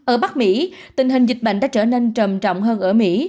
ở bắc mỹ tình hình dịch bệnh đã trở nên trầm trọng hơn ở mỹ